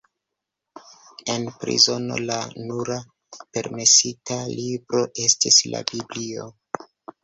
En prizono la nura permesita libro estis la Biblio.